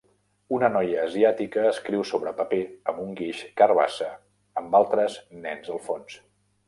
Una noia asiàtica escriu sobre paper amb un guix carbassa amb altres nens al fons